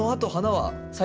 はい。